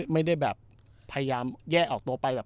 ไม่ได้แบบพยายามแยกออกตัวไปแบบ